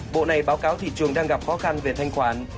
bộ này báo cáo thị trường đang gặp khó khăn về thanh khoản